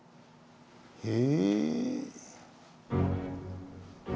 へえ。